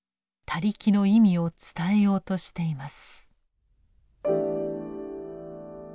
「他力」の意味を伝えようとしています。